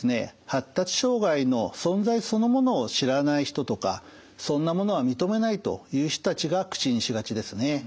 発達障害の存在そのものを知らない人とかそんなものは認めないという人たちが口にしがちですね。